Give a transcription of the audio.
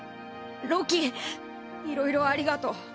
ロキいろいろありがとう。